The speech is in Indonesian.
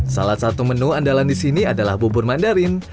salah satu menu andalan di sini adalah bubur mandarin